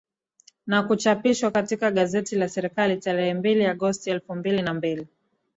na kuchapishwa katika gazeti la Serikali tarehe mbili Agosti elfu mbili na mbili